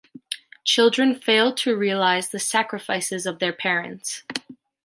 Children fail to realize the sacrifices of their parents.